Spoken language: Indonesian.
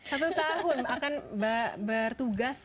satu tahun akan bertugas